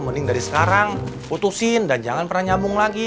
mending dari sekarang putusin dan jangan pernah nyambung lagi